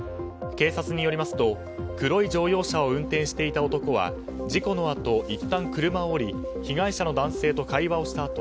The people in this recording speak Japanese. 警察によりますと黒い乗用車を運転していた男は事故のあといったん車を降り被害者の男性と会話をした